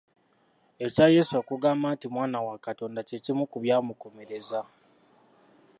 Ekya Yesu okugamba nti mwana wa Katonda kye kimu ku byamukomereza.